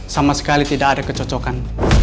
sama sekali tidak ada kecocokan